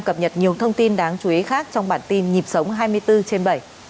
cập nhật nhiều thông tin đáng chú ý khác trong bản tin nhịp sống hai mươi bốn trên bảy